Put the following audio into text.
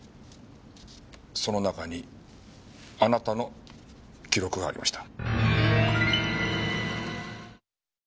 その中にあなたの記録がありました。